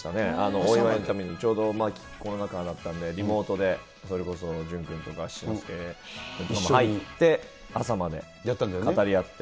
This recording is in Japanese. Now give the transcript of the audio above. お祝いのためにこういうときだったんで、リモートで、それこそ潤君とか、七之助君とかも入って朝まで語り合って。